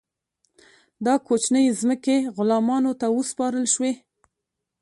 دا کوچنۍ ځمکې غلامانو ته وسپارل شوې.